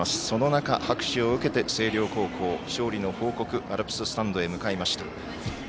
その中、拍手を受けて、星稜高校勝利の報告、アルプススタンドへ向かいました。